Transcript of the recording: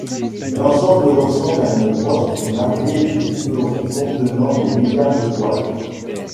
L’ensemble ressemble à une brosse pour laver les biberons contenant des milliards de poils.